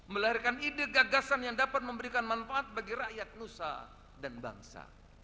melahirkan ide gagasan yang dapat memberikan manfaat bagi rakyat nusa dan bangsa